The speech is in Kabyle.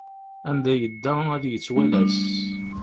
Anda yedda ad yettwalas.